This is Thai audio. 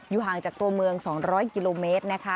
ห่างจากตัวเมือง๒๐๐กิโลเมตรนะคะ